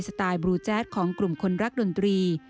ไตล์บลูแจ๊ดของกลุ่มคนรักดนตรี